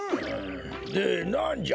でなんじゃ？